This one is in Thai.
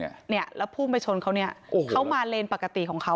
เนี่ยพุ่งไปชนเค้านี้เข้ามาเลนปกติของเขา